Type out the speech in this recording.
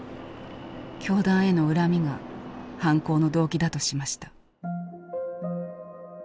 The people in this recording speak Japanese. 教団への恨みが犯行の動機だとしました。